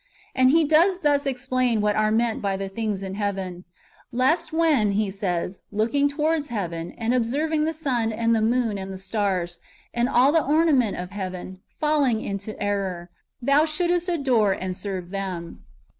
^ And he does thus explain what are meant by the things in heaven :" Lest when," he says, " looking towards heaven, and observing the sun, and the moon, and the stars, and all the ornament of heaven, falling into error, thou shouldest adore and serve them."''